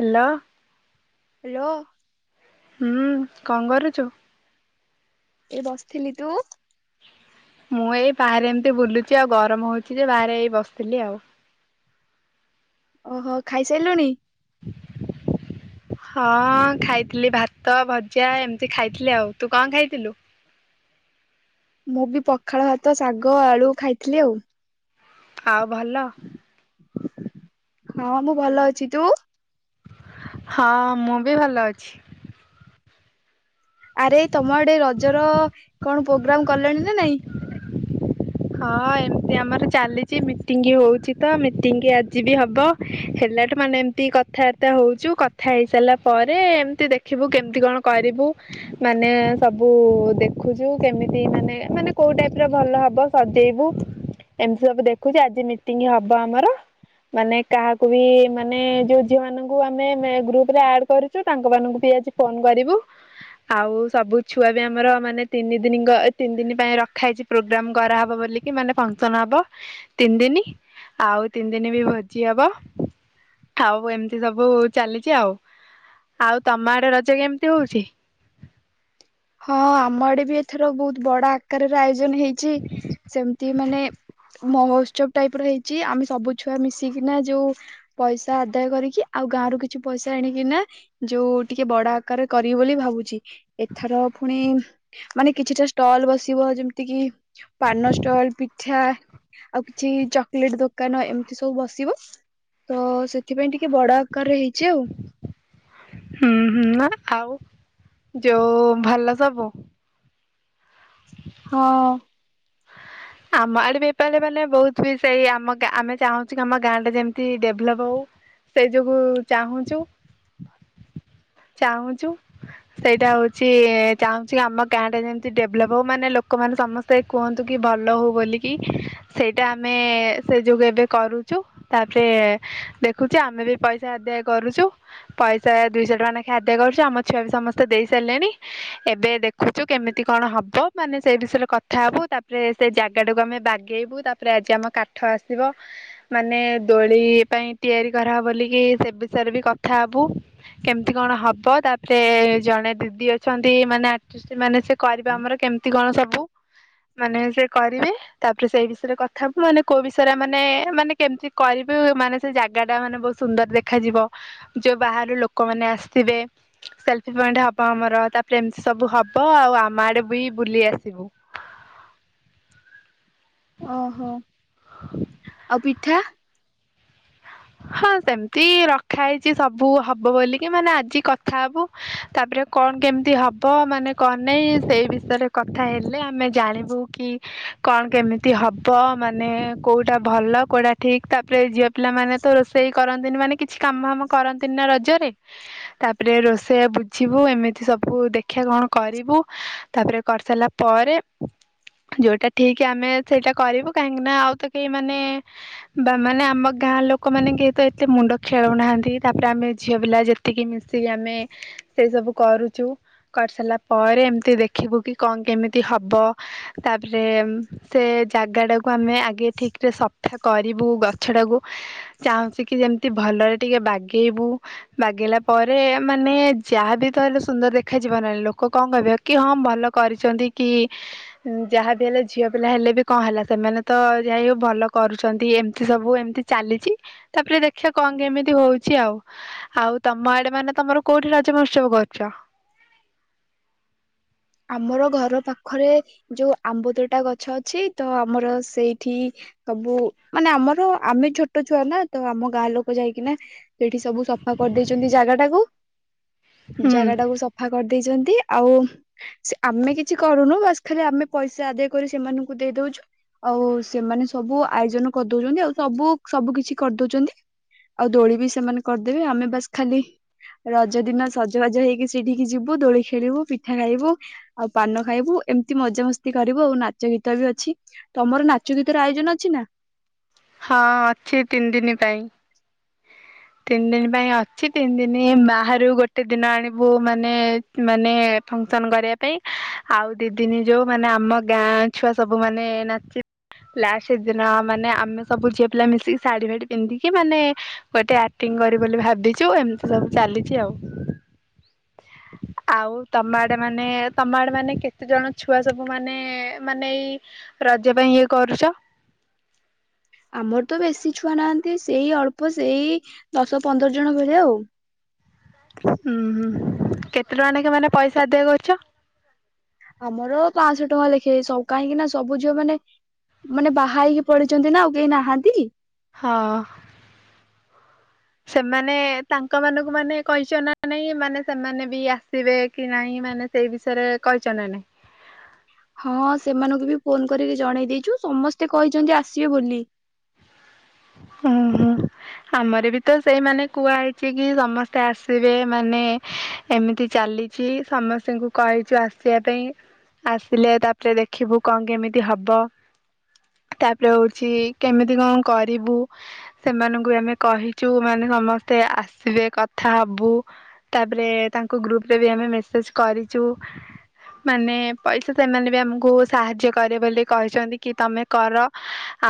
ହେଲା ହେଲୋ ହୁଁ କଣ କରୁଛୁ? ଏ ବସିଥିଲି ତୁ ମୁଁ ଏଇ ବାହାରେ ଏମିତି ବୁଲୁଛି ଆଉ ଗରମ ହଉଛି ଯେ ବାହାରେ ଏଇ ବସିଥିଲି ଆଉ ଓହୋ ଖାଇସାରିଲୁଣି? ହଁ ଖାଇଥିଲି ଭାତ ଭଜା ଏମିତି ଖାଇଥିଲି ଆଉ ତୁ କଣ ଖାଇଥିଲୁ? ମୁଁ ବି ପଖାଳ ଭାତ ଶାଗ ଆଳୁ ଖାଇଥିଲି ଆଉ ଆଉ ଭଲ? ହଁ ମୁଁ ଭଲ ଅଛି। ତୁ? ହଁ ମୁଁ ବି ଭଲ ଅଛି। ଆରେ ତମ ଆଡେ ର ଜର କଣ ପ୍ରୋଗ୍ରାମ କଲେଣି ନା ନାଇଁ? ହଁ ଏମତି ଆମର ଚାଲିଚି ମିଟିଙ୍ଗ ହଉଛି ତ ମିଟିଂ ଆଜି ବି ହବ ହେଲା ଟ ମାନେ ଏମିତି କଥାବାର୍ତ୍ତା ହଉଛୁ କଥା ହେଇ ସାରିଲା ପରେ ଏମତି ଦେ ଦେଖିବୁ କେମତି କଣ କରିବୁ ମାନେ ସବ ବୁ ଦେଖୁଛୁ କେମିତି ମାନେ ମାନେ କୋଉ ଟାଇପ ର ଭଲ ହବ ସଜେଇବୁ ଏମିତି ସବୁ ଦେଖୁଚି ଆଜି ମିଟିଂ ହବ ଆମର ମାନେ କାହାକୁ ବି ମାନେ ଯୋଉ ଝିଅ ମାନଙ୍କୁ ଆମେ ମେ ଗ୍ରୁପରେ ଆଡ କରି ଚୁ ତାଙ୍କ ମାନଙ୍କୁ ବି ଆଜି ଫୋନ କରିବୁ ଆଉ ସବୁ ଛୁଆ ବି ଆମର ମାନେ ତିନି ଦିନି ଗ ତିନି ଦିନ ପାଇଁ ରଖା ହେଇଛି ପ୍ରୋଗ୍ରାମ୍ କରା ହବ ବୋଲିକି ମାନେ ଫଙ୍କସନ୍ ହବ ତିନି ଦିନି ଆଉ ତିନି ଦିନି ବି ଭୋଜି ହବ। ଆଉ ଏମିତି ସବୁ ଚାଲିଛି ଆଉ, ଆଉ ତମ ଆଡେ ରଜ କେମିତି ହଉଛି? ହଁ ଆମ ଆଡେ ବି ଏଥର ବହୁତୁ ବଡ ଆକାରର ଆୟୋଜନ ହେଇଛି। ସେମିତି ମାନେ ମହୋତ୍ସବ ଟାଇପ୍ ର ହେଇଛି ଆମେ ସବୁ ଛୁଆ ମିଶିକିନା ଯୋଉ ପଇସା ଆଦାୟ କରିକି ଆଉ ଗାଁ ରୁ କିଛି ପଇସା ଆଣିକି ନା ଯୋଉ ଟିକେ ବଡ ଆକାରରେ କରିବି ବୋଲି ଭାବୁଛି ଏଥର ଫୁଣି ମାନେ କିଛିଟା ଷ୍ଟଲ ବସିବ। ଯେମିତି କିି ପାନ ଷ୍ଟଲ୍, ପିଠା ଆଉ କିଛି ଚକଲେଟ ଦୋକାନ ଏମିତି ସବୁ ବସିବ ତ ସେଥିପାଇଁ ଟିକେ ବଡ ଆକାରରେ ହେଇଛି ଆଉ ହୁଁ ହୁଁ ଆ ଆଉ ଯୋଉ ଭଲ ସବୁ? ହଁଅ ଆମ ଆଡେ ବେ [inaudible] ମାନେ ବହୁତ ବି ସେଇ ଆମ ଗା ଆମେ ଚାହୁଁଛୁ କି ଆମ ଗାଁ ଟା ଯେମିତି ଡେଭଲପ ହଉ ସେ ଯୋଗୁ ଚାହୁଁଚୁ ଚାହୁଁଚୁ ସେଇଟା ହଉଛି ଚାହୁଁଛି ଆମ ଗାଁ ଟା ଯେମିତି ଡେଭଲପ ହଉ ମାନେ ଲୋକମାନେ ସମସ୍ତେ କୁହନ୍ତୁ କି ଭ ଲ ହଉ ବୋଲିକି, ସେଇଟା ଆମେ ସେ ଯୋଗୁ ଏବେ କରୁଛୁ ତାପରେ ଦେଖୁଛୁ ଆମେ ବି ପଇସା ଆଦାୟ କରୁଛୁ ପଇସା ଦୁଇଶହ ଟଙ୍କା ନେଖେ ଆଦାୟ କରୁଛ ଆମ ଛୁଆ ବି ସମସ୍ତେ ଦେଇ ସାରିଲେଣି। ଏବେ ଦେଖୁଛୁ କେମିତି କଣ ହବ ମାନେ ସେଇ ବିଷୟରେ କଥା ହବୁ ତାପରେ, ସେ ଜାଗା ଟାକୁ ଆମେ ବାଗେଇବୁ ତାପରେ ଆଜି ଆମ କାଠ ଆସିବ, ମାନେ ଦୋଳି ପାଇଁ ତିଆରି କରାହବ ବୋଲିକି ସେ ବିଷୟରେ ବି କଥା ହବୁ କେମିତି କଣ ହବ ତାପରେ ଜଣେ ଦିଦି ଅଛନ୍ତି ମାନେ ଆଟିଷ୍ଟ ମାନେ ସେ କରିବେ ଆମର କେମିତି କଣ ସବୁ ମାନେ ସେ କରିବେ, ତାପରେ ସେଇ ବିଷୟରେ କଥା ହବୁ ମାନେ କୋଉ ବିଷୟରେ ମାନେ ମାନେ କେମିତି କରିବି ମାନେ ସେ ଜାଗା ଟା ମାନେ ବ ସୁନ୍ଦର ଦେଖାଯିବ ଯୋଉ ବାହାରୁ ଲୋକମାନେ ଆସିଥିବେ, ସେଲଫି ପଏଣ୍ଟ ହବ ଆମର ତାପରେ ଏମିତି ସବୁ ହବ ଆଉ ଆମ ଆଡେ ବି ବୁଲି ଆସିବୁ। ଓହୋ ଆଉ ପିଠା? ହଁ ସେମିତି ରଖା ହେଇଛି ସବୁ ହବ ବୋଲିକି ମାନେ ଆଜି କଥା ହବୁ, ତାପରେ କଣ କେମିତି ହବ ମାନେ କଣ ନାଇ ସେଇ ବିଷୟରେ କଥା ହେଲେ ଆମେ ଜାଣି ବୁ କି କଣ କେମିତି ହବ ମାନେ କୋଉଟା ଭଲ କୋଉଟା ଠିକ ତାପରେ ଝିଅ ପିଲା ମାନେ ତ ରୋଷେଇ କରନ୍ତିନି ମାନେ କିଛି କାମ ଫାମ କରନ୍ତିନି ନା ରଜରେ, ତାପରେ ରୋଷେଇଆ ବୁଝିବୁ ଏମିତି ସବୁ ଦେଖିଆ କଣ କରିବୁ। ତାପରେ କରିସାରିଲା ପରେ, ଯୋଉଟା ଠିକ ଆମେ ସେଇଟା କରିବୁ କାହିଁକି ନା ଆଉ ତ କେହି ମାନେ, ବା ମାନେ ଆମ ଗାଁ ଲୋ କମାନେ କିଏ ତ ଏତେ ମୁଣ୍ଡ ଖେଳଉ ନାହାନ୍ତି ତାପରେ ଆମେ ଝିଅ ପିଲା ଯେତିକି ମିଶିକି ଆମେ ସେଇ ସବୁ କରୁଛୁ କରି ସାରିଲା ପରେ ଏମିତି ଦେଖିବୁ କି କଣ କେମିତି ହବ। ତାପରେ। ସେ ଜାଗାଟାକୁ ଆମେ ଆଗେ ଠିକରେ ସଫା କରିବୁ ଗଛଟାକୁ। ଚାହୁଁଛି କି ଯେମିତି ଭଲରେ ଟିକେ ବାଗେଇବୁ। ବାଗେଇଲା ପରେ ମାନେ ଯାହାବି ତ ହେଲେ ସୁନ୍ଦର ଦେଖାଯିବ ନା ଲୋକ କଣ କହିବେ। କି ହଁ ଭଲ କରିଛନ୍ତି କି। ଯାହାବି ହେଲେ ଝିଅ ପିଲା ହେଲେ ବି କଣ ହେଲା ସେମାନେ ତ ଯା ହଉ ଭଲ କରୁଛନ୍ତି ଏମିତି ସବୁ ଏମିତି। ଚାଲିଛି ତାପରେ ଦେଖିବା କଣ କେମିତି ହଉଛି ଆଉ। ଆଉ ତମ ଆଡେ ମାନେ ତମର କୋଉଠି ରଜ ମହୋତ୍ସବ କରୁଛ? ଆମର ଘର ପାଖରେ ଯୋଉ ଆମ୍ୱ ତୋଟା ଗଛ ଅଛି ତ ଆମର ସେଇଠି। ସବୁ ମାନେ ଆମର ଆମେ ଛୋଟ ଛୁଆ ନା ତ ଆମ ଗାଁ ଲୋକ ଯାଇକିନା। ସେଇଟି ସବୁ ସଫା କରିଦେଇଛନ୍ତି ଜାଗା ଟାକୁ। ହୁଁ ଜାଗା ଟାକୁ ସଫା କରିଦେଇଛନ୍ତି ଆଉ। ସେ ଆମେ କିଛି କରୁନୁ ବାସ୍ ଖାଲି ଆମେ ପଇସା ଆଦାୟ କରି ସେମାନଙ୍କୁ ଦେଇଦଉଛୁ। ଆଉ ସେମାନେ ସବୁ ଆୟୋଜନ କରିଦଉଛନ୍ତି ଆଉ ସବୁ ସବୁ କିଛି କରିଦଉଛନ୍ତି। ଆଉ ଦୋଳି ବି ସେମାନେ କରିଦେବେ ଆମେ ବାସ୍ ଖାଲି ରଜ ଦିନ ସଜବାଜ ହେଇକି ସେଇଠିକି ଯିବୁ ଦୋଳି ଖେଳିବୁ ପିଠା। ମିଠା ଖାଇବୁ ଆଉ ପାନ ଖାଇବୁ ଏମିତି ମଜା ମସ୍ତି କରିବୁ ଆଉ ନାଚ ଗୀତ ବି ଅଛି। ତମର ନାଚ ଗୀତର ଆୟୋଜନ ଅଛି ନା। ହଁ ଅଛି ତିନି ଦିନ ପାଇଁ। ତିନି ଦିନ ପାଇଁ ଅଛି ତିନି ଦିନ ବାହାରୁ ଗୋଟେ ଦିନ ଆଣିବୁ ମାନେ। ମାନେ ଫଙ୍କସନ କରିବା ପାଇଁ ଆଉ ଦି ଦିନ ଯୋଉ ମାନେ ଆମ ଗାଁ ଛୁଆ ସବୁ ମାନେ ନାଚି ଲାଷ୍ଟ ଦିନ ମାନେ ଆମେ। ସବୁ ଝିଅ ପିଲା ମିଶିକି ଶାଢ଼ୀ ଫାଢି ପିନ୍ଧିକି ମାନେ। ଗୋଟେ ଆକ୍ଟିଂ କରିବୁ ବୋଲି ଭାବିଛୁ ଏମିତି ସବୁ ଚାଲିଛି ଆଉ। [inaudible] ଆଉ ତମ ଆଡ଼େ ମାନେ ତମ ଆଡ଼େ ମାନେ କେତେ ଜଣ ଛୁଆ ସବୁ ମାନେ ମାନେ ଏଇ ରଜ ପାଇଁ ୟେ କରୁଛ? ଆମର ତ ବେଶୀ ଛୁଆ ନାହାନ୍ତି ସେଇ ଅଳ୍ପ ସେଇ ଦଶ ପନ୍ଦର ଜଣ ଭଳିଆ ଆଉ। ହୁଁ, ହୁଁ, କେତେ ଟଙ୍କା ନେଖା ମାନେ ପଇସା ଆଦାୟ କରୁଛ? ଆମର ପାଁଶହ ଟଙ୍କା ଲେଖେ ସ କାହିଁକି ନା ସବୁ ଝିଅ ମାନେ ମାନେ ବାହା ହେଇକି ପଲେଇଛନ୍ତି ନା ଆଉ କେହି ନାହାନ୍ତି। ହଁ। ସେମାନେ ତାଙ୍କ ମାନଙ୍କୁ ମାନେ କହିଛ ନା ନାଇଁ ମାନେ ସେମାନେ ବି ଆସିବେ କି ନାଇଁ ମାନେ ସେଇ ବିଷୟରେ କହିଛ ନା ନାହିଁ? ହଁ ସେମାନଙ୍କୁ ବି ଫୋନ୍ କରିକି ଜଣେଇ ଦେଇଛୁ ସମସ୍ତେ କହିଛନ୍ତି ଆସିବେ ବୋଲି। ହୁଁ, ହୁଁ। ଆମର ବି ତ ସେଇମାନେ କୁହା ହେଇଛି କି ସମସ୍ତେ ଆସିବେ ମାନେ ଏମିତି ଚାଲିଛି ସମସ୍ତଙ୍କୁ କହିଛୁ ଆସିବା ପାଇଁ। ଆସିଲେ ତାପରେ ଦେଖିବୁ କଣ କେମିତି ହବ। ତାପରେ ହଉଛି କେମିତି କଣ କରିବୁ। ସେମାନଙ୍କୁ ବି ଆମେ କହିଛୁ ମାନେ ସମସ୍ତେ ଆସିବେ କଥା ହବୁ। ତାପରେ ତାଙ୍କ ଗ୍ରୁପରେ ବି ଆମେ ମେସେଜ୍ କରିଚୁ। ମାନେ ପଇସା ସେମାନେ ବି ଆମକୁ ସାହାଯ୍ୟ କରିବେ ବୋଲି କହିଛନ୍ତି କି ତମେ କର।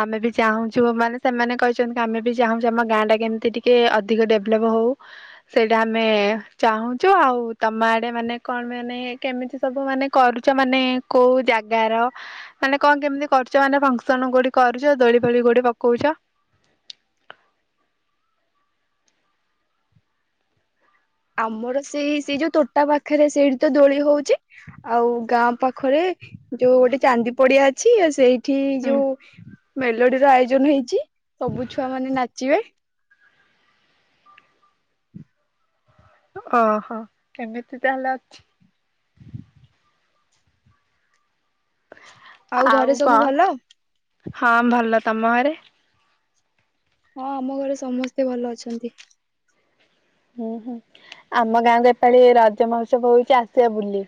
ଆମେ ବି ଚାହୁଁ ଛୁ ମାନେ ସେମାନେ କହିଛନ୍ତି କି ଆମେ ବି ଚାହୁଁଛୁ ଆମ ଗାଁଆଟା କେମିତି ଟିକେ ଅଧିକ ଡେଭ୍ଲପ୍ ହଉ। ସେଇଟା ଆମେ ଚାହୁଁଛୁ ଆଉ ତମ ଆଡେ ମାନେ କଣ ମାନେ କେମିତି? ସବୁ ମାନେ କରୁଛ ମାନେ କୋଉ ଜାଗାର ମାନେ କଣ କେମିତି କରୁଛ ମାନେ ଫଙ୍କସନ୍ କୋଉଠି କରୁଚ ଦୋଳି ଫୋଳି କୋଉଠି ପକଉଛ? ଆମର ସେଇ ସେଇ ଯୋଉ ତୋଟା ପାଖରେ ସେଇଟି ତ ଦୋଳି ହଉଛି। ଆଉ ଗାଁ ପାଖରେ ଯୋଉ ଗୋଟେ ଚାନ୍ଦି ପଡିଆ ଅଛି ସେଇ ଠି ହୁଁ ଯୋଉ ମେଲୋଡ଼ିର ଆୟୋଜନ ହେଇଛି ସବୁ ଛୁଆ ମାନେ ନାଚିବେ। ଅହୋ ଏମିତି ତାହେଲେ ଅଛି। ଘରେ ଆଉ ସବୁ ଭଲ? କଣ ହଁ ଭଲ, ତମ ଘରେ? ହଁ ଆମ ଘରେ ସମସ୍ତେ ଭଲ ଅଛନ୍ତି। ହୁଁ ହୁଁ, ଆମ ଗାଁଆକୁ ଏପାଳି ରଜ ମହୋତ୍ସବ ହଉଛି ଆସିବ ବୁଲି।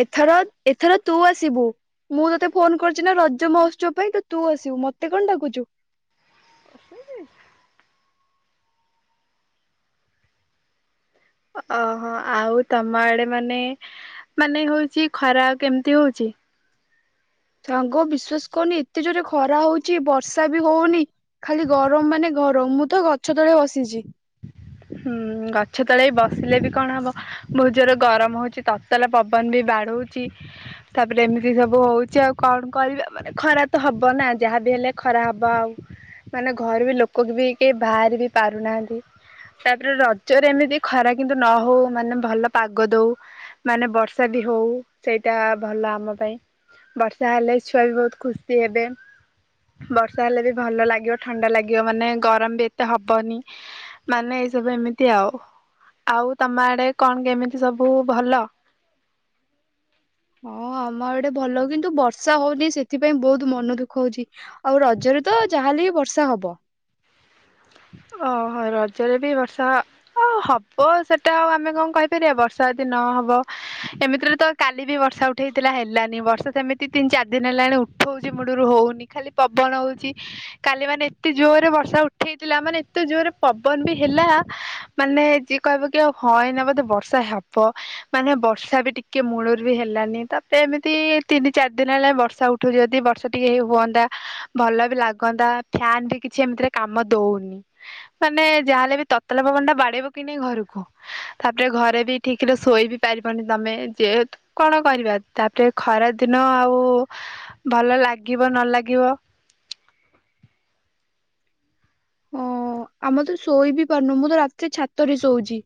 ଏଥର, ଏଥର ତୁ ଆସିବୁ। ମୁଁ ତତେ ଫୋନ୍ କରିଛି ନା ରଜ ମହୋତ୍ସବ ପାଇଁ ତ ତୁ ଆସିବୁ ମତେ କଣ ଡାକୁଚୁ। ଓହଁ, ଆଉ ତମ ଆଡ଼େ ମାନେ, ମାନେ ହଉଛି ଖରା ଆଉ କେମିତି ହଉଛି? ସାଙ୍ଗ ବିଶ୍ଵାସ କର୍ ନି ଏତେ ଜୋରେ ଖରା ହଉଛି ବର୍ଷା ବି ହଉନି। ଖାଲି ଗରମ ମାନେ ଗରମ, ମୁଁ ତ ଗଛ ତଳେ ବସିଛି। ହୁଁ ଗଛ ତଳେ ବସିଲେ ବି କଣ ହବ ବହୁତ ଜୋରେ ଗରମ ହଉଛି, ତତଲା ପବନ ବି ବାଡ଼ଉଚି। ତାପରେ ଏମିତି ସବୁ ହଉଛି ଆଉ କଣ କରିବା ମାନେ ଖରା ତ ହବ ନା ଯାହାବି ହେଲେ ଖରା ହବ ଆଉ। ମାନେ ଘରୁବି ଲୋକକବି କେହି ବାହାରି ବି ପାରୁନାହାନ୍ତି। ତାପରେ ରଜରେ ଏମିତି ଖରା କିନ୍ତୁ ନ ହଉ ମାନେ ଭଲ ପାଗ ଦଉ। ମାନେ ବର୍ଷା ବି ହଉ ସେଇଟା ଭଲ ଆମ ପାଇଁ। ବର୍ଷା ହେଲେ ଛୁଆବି ବହୁତ ଖୁସି ହେବେ। ବର୍ଷା ହେଲେବି ଭଲ ଲାଗିବ ଥଣ୍ଡା ଲାଗିବ ମାନେ ଗରମ ବି ଏତେ ହବନି। ମାନେ ଏଇ ସବୁ ଏମିତି ଆଉ, ଆଉ ତମ ଆଡେ କଣ କେମିତି ସବୁ ଭଲ? ହଁ ଆମ ଏଡେ ଭଲ କିନ୍ତୁ ବର୍ଷା ହଉନି ସେଥିପାଇଁ ବହୁତ ମନ ଦୁଃଖ ହଉଛି। ଆଉ ରଜରେ ତ ଯାହାେଲେ ବର୍ଷା ହବ। ଓହୋ ରଜରେ ବି ବର୍ଷା ହବ ସେଟା ଆଉ ଆମେ କଣ କହିପାରିବା ବର୍ଷା ଦିନ ହବ, ଏମିତିରେ ତ କାଲି ବି ବର୍ଷା ଉଠେଇଥିଲା ହେଲାନି ବର୍ଷା ସେମିତି ତିନି ଚାରି ଦିନ ହେଲାଣି ଉଠଉଛି ମୁଳୁରୁ ହଉନି, ଖାଲି ପବନ ହଉଛି କାଲି ମାନେ ଏତେ ଜୋର ରେ ବର୍ଷା ଉଠେଇଥିଲା ମାନେ ତ ଯୋରେ ପବନ ବି ହେଲା ମାନେ ଯିଏ କହିବ କି ଆଉ [unintelligible] ନ ବୋଧେ ବର୍ଷା ହବ। ମାନେ ବର୍ଷା ବି ଟିକେ ମୂଳରୁ ବି ହେଲାନି ତାପରେ ଏମିତି ତିନି ଚାରି ଦିନ ହେଲା ବର୍ଷା ଉଠ ଠୁ ଯଦି ବର୍ଷ ଟିକେ ହୁଅନ୍ତା ଭଲ ବି ଲାଗନ୍ତା ଫ୍ୟାନ ବି କିଛି ଏମିତିରେ କାମ ଦଉନି। ମାନେ ଯାହାହେଲେ ବି ତତଲା ପବନ ଟା ବାଡେଇବ କି ନାଇଁ ଘରକୁ। ତାପରେ ଘରେ ବି ଠିକ ରେ ଶୋଇ ବି ପାରିବନି ତମେ ଯେହତୁ କଣ କରିବା ତାପରେ ଖରା ଦିନ ଆଉ ଭଲ ଲାଗିବ ନ ଲାଗିବ। ହଁ ଆମେ ତ ଶୋଇ ବିି ପାରୁନୁ ମୁଁ ତ ରାତିରେ ଛାତରେ ଶୋଉଛି।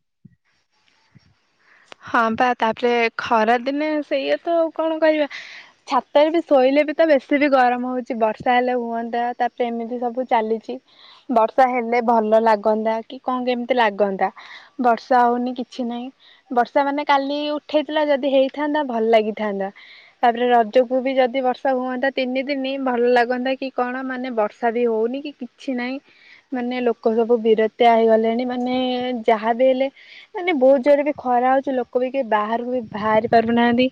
ହଁ ବା ତାପରେ ଖରା ଦିନେ ସେଇୟା ତ କଣ କରିବା। ଛାତରେ ବି ଶୋଇଲେ ବି ତ ବେଶୀ ବି ଗରମ ହଉଛି, ବର୍ଷା ହେଲେ ହୁଅନ୍ତା, ତାପରେ ଏମିତି ସବୁ ଚାଲିଛି ବର୍ଷା ହେଲେ ଭଲ ଲାଗନ୍ତା କି କଣ କେମିତି ଲାଗନ୍ତା। ବର୍ଷା ହଉନି କିଛି ନାହିଁ ବର୍ଷା ମାନେ କାଲି ଉଠେଇଥିଲା ଯଦି ହେଇଥାନ୍ତା ଭଲ ଲାଗିଥାନ୍ତା। ତାପରେ ରଜକୁ ବି ଯଦି ବର୍ଷା ହୁଅନ୍ତା ତିନି ଦିନ ଭଲ ଲାଗନ୍ତା କି କଣ ମାନେ ବର୍ଷା ବି ହଉନି କି। କିଛି ନାହିଁ। ମାନେ ଲୋକ ସବୁ ବିରତ୍ୟା ହେଇଗଲେଣି ମାନେ ଯାହା ବି ହେଲେ ମାନେ ବହୁତ ଜୋର ବି ଖରା ହେଉଛି ଲୋକ ବି କେହି ବାହାରକୁ ବି ବାହାରି ପାରୁନାହାଁନ୍ତି।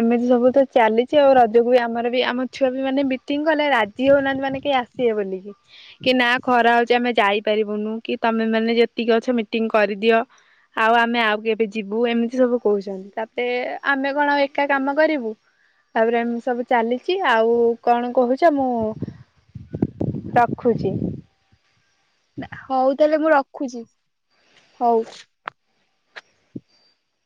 ଏମିତି ସବୁ ତ ଚାଲିଛି, ଆଉ ରଜକୁ ବି ଆମର ବି ଆମ ଛୁଆ ବି ମାନେ ମିଟିଂ କଲେ ରାଜି ହଉନାହାନ୍ତି ମାନେ କେହିସ ଆସିବେ ବୋଳିକି। କି ନା ଖରା ହଉଛି ଆମେ ଯାଇପାରିବୁନୁ କି ତମେ ମାନେ ଯେତିକି ଅଛ ମିଟିଂ କରିଦିଅ। ଆଉ ଆମେ ଆଉ କେ ଏ ଯିବୁ ଏମିତି ସବୁ କହୁଛନ୍ତି ତାପରେ ଆମେ କଣ ଆଉ ଏକା କାମ କରିବୁ ତାପରେ ଏମିତି ସବୁ ଚାଲିଛି, ଆଉ କଣ କହୁଛ ମୁଁ ରଖୁଛି। ହଉ ତାହେଲେ ମୁଁ ରଖୁଛି ହଉ।